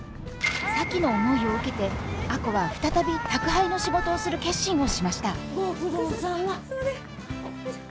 咲妃の思いを受けて亜子は再び宅配の仕事をする決心をしましたご苦労さま。